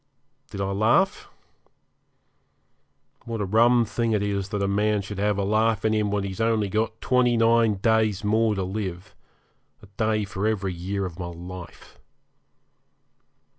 Did I laugh? What a rum thing it is that a man should have a laugh in him when he's only got twenty nine days more to live a day for every year of my life.